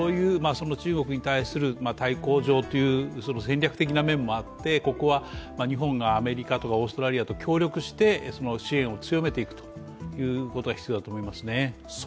中国に対する対抗上という戦略的な面もあってここは日本がアメリカとかオーストラリアと協力して支援を強めていくということが必要だと思いますね。